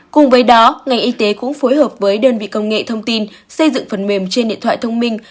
cùng với đó ngành y tế cũng phối hợp với đơn vị công nghệ thông tin xây dựng phần mềm trên điện thoại thông minh